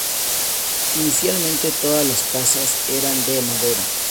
Inicialmente todas las casas eran de madera.